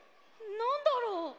なんだろう？